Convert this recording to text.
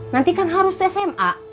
nanti kan harus sma